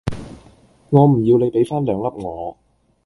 我唔要你比番兩粒我